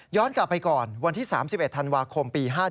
กลับไปก่อนวันที่๓๑ธันวาคมปี๕๗